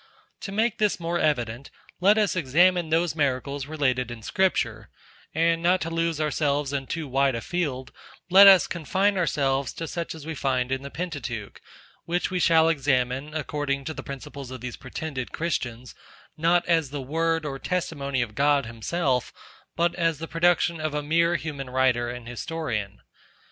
To make this more evident, let us examine those miracles, related in scripture; and not to lose ourselves in too wide a field, let us confine ourselves to such as we find in the Pentateuch, which we shall examine, according to the principles of these pretended Christians, not as the word or testimony of God himself, but as the production of a mere human writer and historian.